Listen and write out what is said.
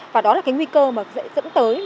và đó là cái nguy cơ mà dễ dẫn tới